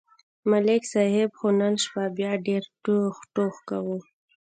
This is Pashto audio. ملک صاحب خو نن شپه بیا ډېر ټوخ ټوخ کاوه